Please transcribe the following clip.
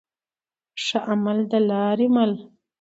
ښه عمل د لاري مل.